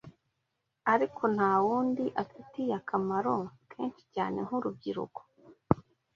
ariko nta wundi afitiye akamaro kenshi cyane nk’urubyiruko.